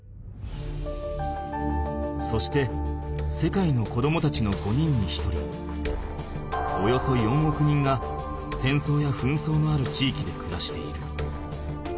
そして世界の子どもたちの５人に１人およそ４億人が戦争や紛争のある地域で暮らしている。